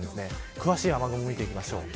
詳しい雨雲を見ていきましょう。